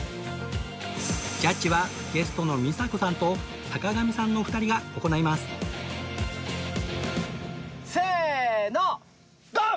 ジャッジはゲストの美佐子さんと坂上さんの２人が行いますせーのドン！